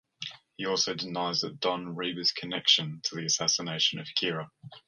He also denies that don Reba's connection to the assassination of Kira.